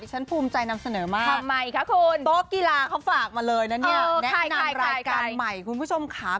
ที่ฉันภูมิใจนำเสนอมากค่ะคุณโต๊ะกีฬาเขาฝากมาเลยน่ะแนะนำรายการใหม่คุณผู้ชมขา